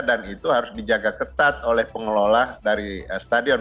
dan itu harus dijaga ketat oleh pengelola dari stadion